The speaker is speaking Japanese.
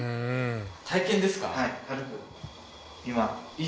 体験ですか？